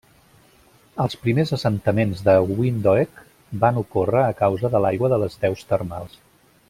Els primers assentaments de Windhoek van ocórrer a causa de l'aigua de les deus termals.